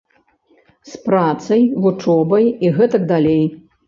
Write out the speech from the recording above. З працай, вучобай і гэтак далей.